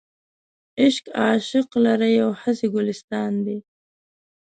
عشق عاشق لره یو هسې ګلستان دی.